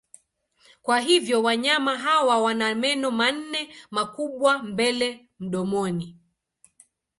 Kwa hivyo wanyama hawa wana meno manne makubwa mbele mdomoni.